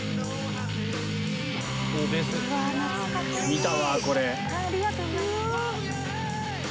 見たわこれ。